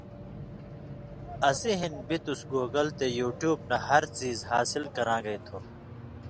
اسی ہِن بِتُس گُوگل تے یُوٹیوب نہ ہر څیز حاصل کرا ن٘گَیں تھو